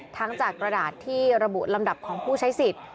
ทั้งจากกระดาษที่ระบุลำดับของผู้ใช้สิทธิ์